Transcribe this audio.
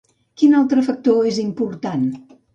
Quin altre factor és important?